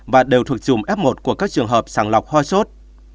và đều thuộc dùm f một của các trường hợp sàng lọc hoa sốt